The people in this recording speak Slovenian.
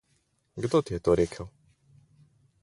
Kdo ti je to rekel?